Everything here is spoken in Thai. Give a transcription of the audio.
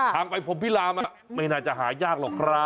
ทางไปพรมพิรามไม่น่าจะหายากหรอกครับ